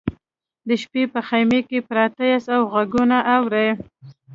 د شپې په خیمه کې پراته یاست او غږونه اورئ